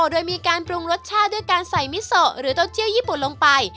โดยมีการปรุงรสชาติด้วยการใส่มิโซหรือเต้าเจียวญี่ปุ่นลงไป